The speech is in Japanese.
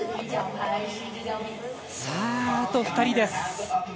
あと２人です。